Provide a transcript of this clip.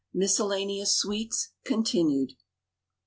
MISCELLANEOUS SWEETS. _Continued.